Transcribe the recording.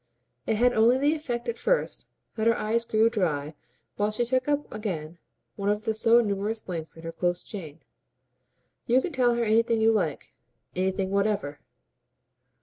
It had only the effect at first that her eyes grew dry while she took up again one of the so numerous links in her close chain. "You can tell her anything you like, anything whatever."